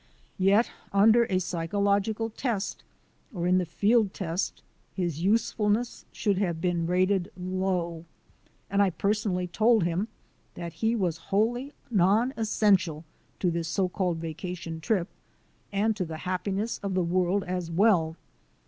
Yet under a psychological test or in the field test his usefulness should have been rated low and I per sonally told him that he was wholly non essential to this so called vacation trip and to the happiness of the world as well.